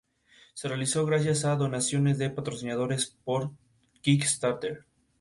Se realizó gracias a donaciones de patrocinadores por Kickstarter.